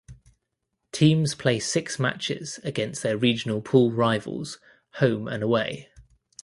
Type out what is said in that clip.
Teams play six matches against their regional pool rivals home and away.